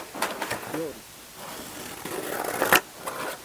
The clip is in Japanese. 料理